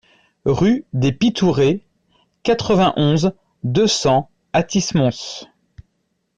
Rue des Pitourées, quatre-vingt-onze, deux cents Athis-Mons